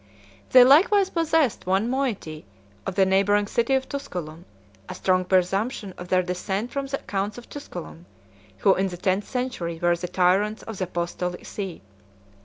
98 They likewise possessed one moiety of the neighboring city of Tusculum, a strong presumption of their descent from the counts of Tusculum, who in the tenth century were the tyrants of the apostolic see.